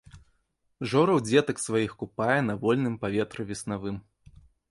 Жораў дзетак сваіх купае на вольным паветры веснавым.